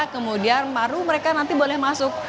kemudian baru mereka nanti boleh masuk